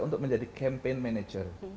untuk menjadi campaign manager